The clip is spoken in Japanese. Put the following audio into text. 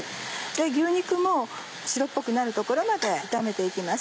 牛肉も白っぽくなるところまで炒めて行きます。